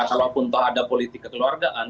walaupun ada politik kekeluargaan